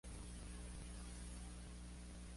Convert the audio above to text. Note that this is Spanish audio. A finales de año, El Dorado Wrestling cerró.